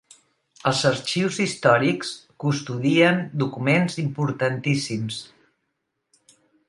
Els arxius històrics custodien documents importantíssims.